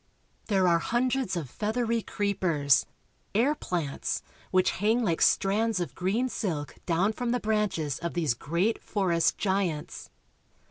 There are hundreds of feathery creepers, air plants, which hang like strands of green silk down from the branches of these great forest giants.